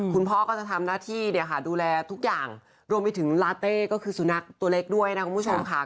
คุณพ่อก็จะทำหน้าที่เนี่ยค่ะดูแลทุกอย่างรวมไปถึงลาเต้ก็คือสุนัขตัวเล็กด้วยนะคุณผู้ชมค่ะ